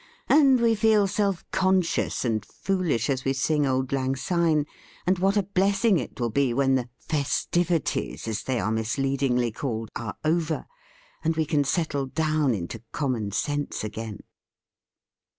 And we feel self conscious and foolish as we sing "Auld Lang Syne." And what a blessing it will be when the "festivities" (as they are misleadingly called) are over, and we can settle down into commonsense again